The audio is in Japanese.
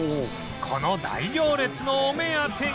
この大行列のお目当てが